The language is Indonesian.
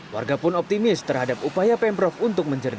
warga pun optimis terhadap upaya pemprov untuk menjaga